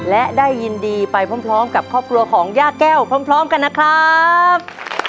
และได้ยินดีไปพร้อมกับครอบครัวของย่าแก้วพร้อมกันนะครับ